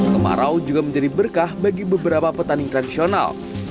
kemarau juga menjadi berkah bagi beberapa petani tradisional